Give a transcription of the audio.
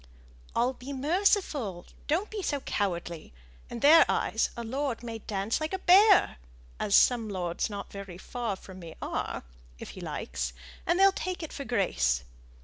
"I'll be merciful; don't be so cowardly. In their eyes a lord may dance like a bear as some lords not very far from me are if he likes, and they'll take it for grace.